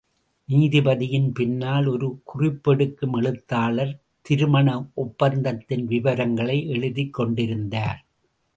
நீதிபதியின் பின்னால், ஒரு குறிப்பெடுக்கும் எழுத்தாளர், திருமண ஒப்பந்தத்தின் விவரங்களை எழுதிக் கொண்டிருந்தார்.